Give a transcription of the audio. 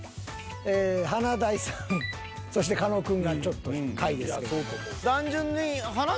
ええ華大さんそして狩野くんがちょっと下位ですけど。